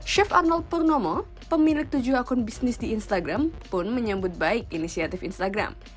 chef arnold purnomo pemilik tujuh akun bisnis di instagram pun menyambut baik inisiatif instagram